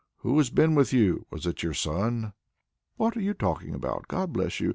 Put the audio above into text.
Who has been with you? Wasn't it your son?" "What are you talking about, God bless you!